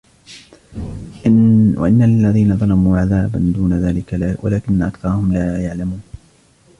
وَإِنَّ لِلَّذِينَ ظَلَمُوا عَذَابًا دُونَ ذَلِكَ وَلَكِنَّ أَكْثَرَهُمْ لا يَعْلَمُونَ